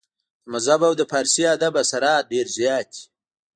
د مذهب او د فارسي ادب اثرات ډېر زيات دي